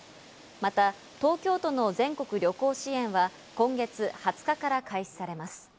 また、東京都の全国旅行支援は今月２０日から開始されます。